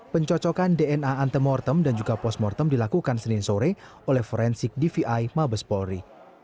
pencocokan dna antemortem dan juga postmortem dilakukan senin sore oleh forensik dvi mabes polri